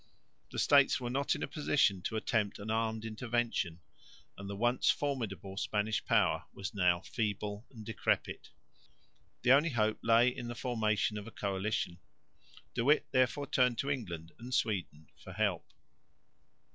The States were not in a position to attempt an armed intervention, and the once formidable Spanish power was now feeble and decrepit. The only hope lay in the formation of a coalition. De Witt therefore turned to England and Sweden for help.